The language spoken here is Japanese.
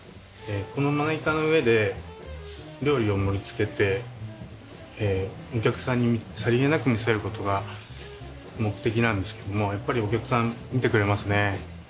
このまな板の上で料理を盛りつけてお客さんにさりげなく見せる事が目的なんですけどもやっぱりお客さん見てくれますね。